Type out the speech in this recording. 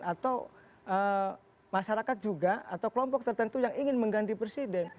atau masyarakat juga atau kelompok tertentu yang ingin mengganti presiden